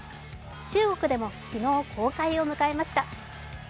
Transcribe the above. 中国でも昨日、公開を迎えました。